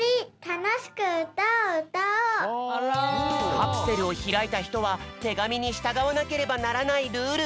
カプセルをひらいたひとはてがみにしたがわなければならないルール！